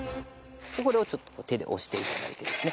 これを手で押して頂いてですね。